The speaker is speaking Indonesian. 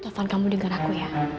tovan kamu denger aku ya